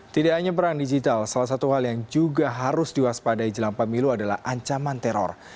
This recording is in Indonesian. tidak hanya perang digital salah satu hal yang juga harus diwaspadai jelang pemilu adalah ancaman teror